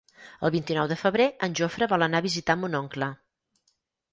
El vint-i-nou de febrer en Jofre vol anar a visitar mon oncle.